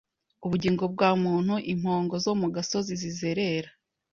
Ubugingo bwa muntu Impongo zo mu gasozi zizerera